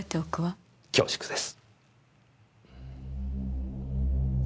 恐縮です。